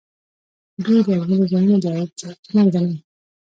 دوی لرغوني ځایونه د عاید سرچینه ګڼي.